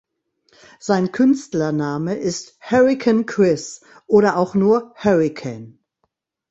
Sein Künstlername ist Hurricane Chris oder auch nur "Hurricane".